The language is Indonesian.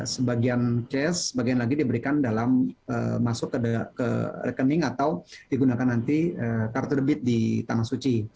sebagian cash sebagian lagi diberikan dalam masuk ke rekening atau digunakan nanti kartu debit di tanah suci